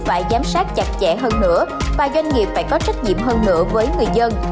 phải giám sát chặt chẽ hơn nữa và doanh nghiệp phải có trách nhiệm hơn nữa với người dân